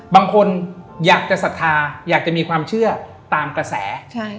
บางคนอยากจะศรัทธาอยากจะมีความเชื่อตามกระแส